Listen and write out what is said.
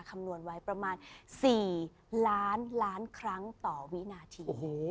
คำนวณไว้ประมาณ๔ล้านล้านครั้งต่อวินาที